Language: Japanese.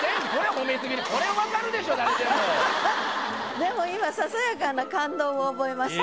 でも今ささやかな感動を覚えました。